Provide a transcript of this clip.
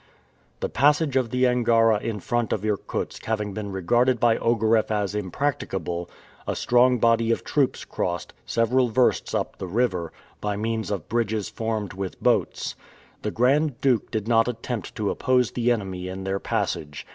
The passage of the Angara in front of Irkutsk having been regarded by Ogareff as impracticable, a strong body of troops crossed, several versts up the river, by means of bridges formed with boats. The Grand Duke did not attempt to oppose the enemy in their passage.